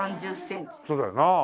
そうだよな。